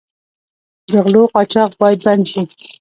د غلو قاچاق باید بند شي.